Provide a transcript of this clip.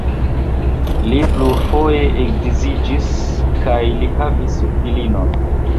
Li plurfoje edziĝis kaj li havis filinon.